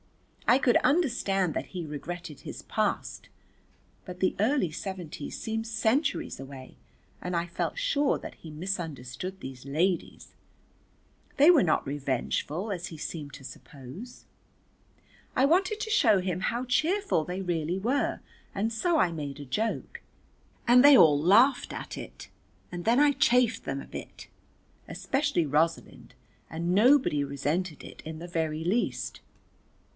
I could understand that he regretted his past, but the early seventies seemed centuries away and I felt sure that he misunderstood these ladies, they were not revengeful as he seemed to suppose. I wanted to show him how cheerful they really were, and so I made a joke and they an laughed at it, and then I chaffed them a bit, especially Rosalind, and nobody resented it in the very least.